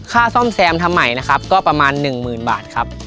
ซ่อมแซมทำใหม่นะครับก็ประมาณ๑๐๐๐บาทครับ